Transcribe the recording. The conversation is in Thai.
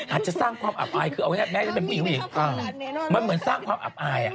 อาจจะสร้างความอับอายคือเอาง่ายแม้จะเป็นผู้หญิงมันเหมือนสร้างความอับอาย